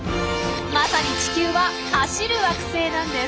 まさに地球は「走る惑星」なんです！